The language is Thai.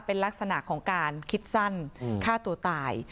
เป็นลักษณะของการคิดสั้นฆ่าตัวตาย